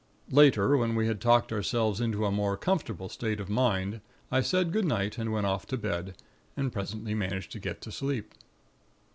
"Later, when we had talked ourselves into a more comfortable state of mind, I said good night, and went off to bed; and presently managed to get to sleep.